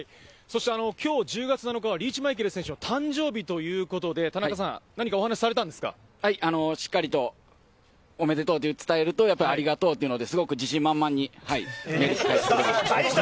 きょう１０月７日はリーチ・マイケル選手の誕生日ということで、田中さん、お話されたんですしっかりと、おめでとうと伝えると、やっぱり「ありがとう」と言うので、すごく自信満々にメールを返してくれました。